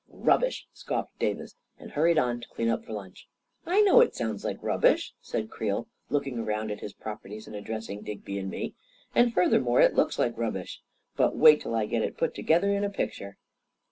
" Rubbish !" scoffed Davis, and hurried on to clean up for lunch. " I know it sounds like rubbish," said Creel, look ing around at his properties and addressing Digby 192 A KING IN BABYLON and me ;" and furthermore it looks like rubbish ; but watt till I get it put together in a picture